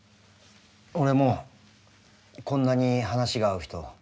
俺もこんなに話が合う人初めて。